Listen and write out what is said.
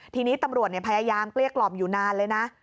ทีนี้ตำรวจเนี่ยพยายามเรียกรอบอยู่นานเลยนะ